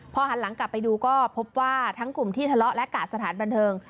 พอหันหลังกลับไปดูก็พบว่าทั้งกลุ่มที่ทะเลาะและกาดสถานบันเทิง